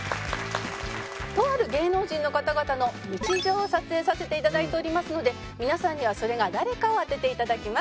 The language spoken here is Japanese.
とある芸能人の方々の日常を撮影させて頂いておりますので皆さんにはそれが誰かを当てて頂きます。